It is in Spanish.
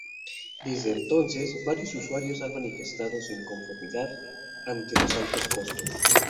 Desde entonces, varios usuarios han manifestado su inconformidad ante los altos costos.